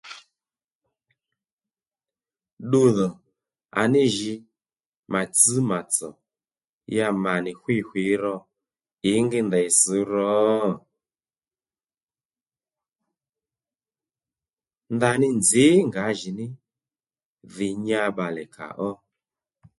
Ddudhò à ní jǐ mà tsš mà tsò ya mà nì hwî hwǐ ro ǐngí nděy sš ro? Ndaní nzǐ ngǎjìní dhi nyá bbalè kàó